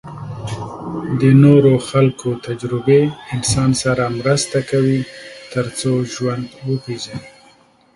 د نورو خلکو تجربې انسان سره مرسته کوي تر څو ژوند وپېژني.